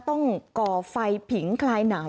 ก่อไฟผิงคลายหนาว